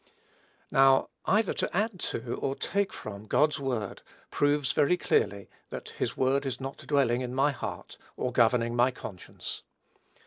Now, either to add to, or take from, God's word, proves, very clearly, that his word is not dwelling in my heart, or governing my conscience.